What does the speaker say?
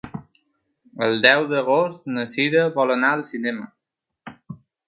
El deu d'agost na Cira vol anar al cinema.